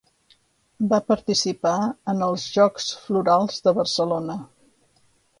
Va participar en els Jocs Florals de Barcelona.